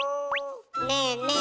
ねえねえ